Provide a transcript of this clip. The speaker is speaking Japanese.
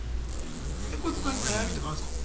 え他に悩みとかあるんすか？